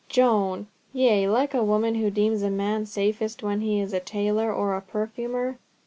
"Joan! Yea, like a woman, who deems a man safest when he is a tailor, or a perfumer.